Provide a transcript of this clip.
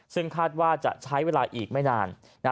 ซึ่งคาดว่าจะใช้เวลาอีกไม่นาน